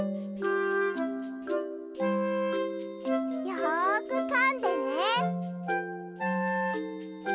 よくかんでね。